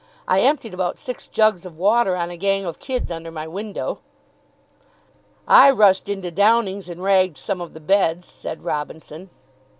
I emptied about six jugs of water on a gang of kids under my window." "I rushed into Downing's, and ragged some of the beds," said Robinson.